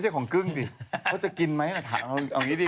จริงกับพี่มดโอ้โหขนนักแข้งนี่